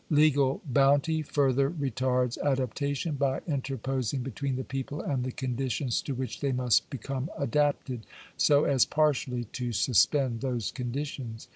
Legal bounty further retards adaptation by interposing between the people and the conditions to which they must become adapted, so as partially Digitized by VjOOQIC POOR LAWS. 829 to suspend those conditions.